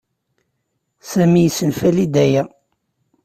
Sami yessenfali-d aya.